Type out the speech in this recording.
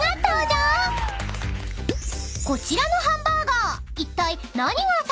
［こちらのハンバーガー］